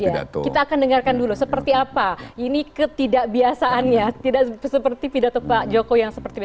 nah itu dia kita akan dengarkan dulu seperti apa ini ketidakbiasaannya tidak seperti pedato pak jokowi yang seperti